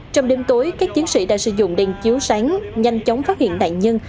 trong đêm tối các chiến sĩ đã sử dụng đèn chiếu sáng nhanh chóng phát hiện nạn nhân